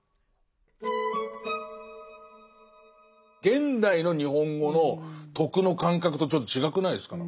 現代の日本語の徳の感覚とちょっと違くないですか？